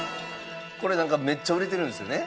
これなんかめっちゃ売れてるんですよね？